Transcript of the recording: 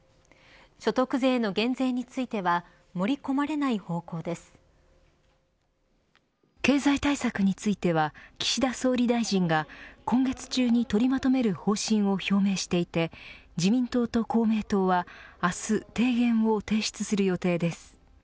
所得税の減税については盛り込まれない方経済対策については岸田総理大臣が今月中に取りまとめる方針を表明していて自民党と公明党は明日、提言を提出する予定です。